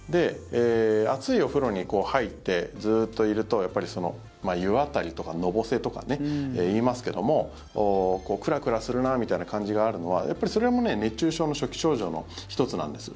熱いお風呂に入ってずっといると湯あたりとか、のぼせとか言いますけどもクラクラするなみたいな感じがあるのはそれも熱中症の初期症状の１つなんです。